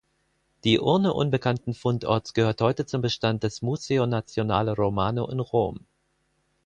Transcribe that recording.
Die Urne unbekannten Fundorts gehört heute zum Bestand des Museo Nazionale Romano in Rom.